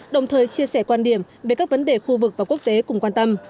đồng thời chia sẻ quan điểm về các vấn đề khu vực và quốc tế cùng quan tâm